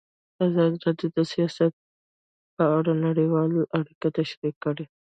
ازادي راډیو د سیاست په اړه نړیوالې اړیکې تشریح کړي.